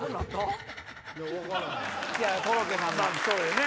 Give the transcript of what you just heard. そうよね